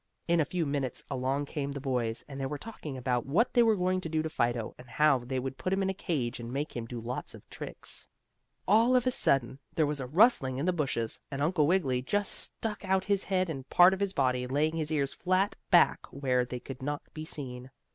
In a few minutes along came the boys, and they were talking about what they were going to do to Fido, and how they would put him in a cage, and make him do lots of tricks. All of a sudden there was a rustling in the bushes, and Uncle Wiggily just stuck out his head and part of his body, laying his ears flat back where they could not be seen.